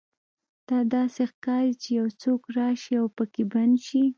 دا داسې ښکاري چې یو څوک راشي او پکې بند شي